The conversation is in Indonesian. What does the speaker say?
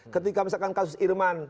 ketika misalkan kasus irman